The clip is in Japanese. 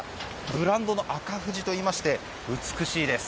ブランドの紅富士といいまして美しいです。